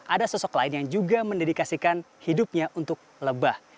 ada sosok lain yang juga mendedikasikan hidupnya untuk lebah